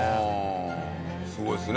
すごいですね。